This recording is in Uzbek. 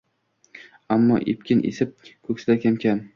Ammo epkin esib ko’ksida kam-kam